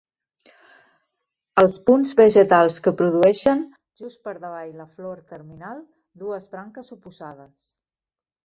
Els punts vegetals que produeixen, just per davall la flor terminal, dues branques oposades.